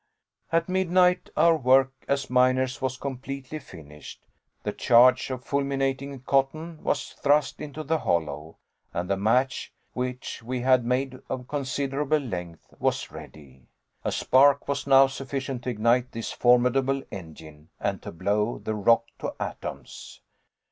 At midnight, our work as miners was completely finished; the charge of fulminating cotton was thrust into the hollow, and the match, which we had made of considerable length, was ready. A spark was now sufficient to ignite this formidable engine, and to blow the rock to atoms!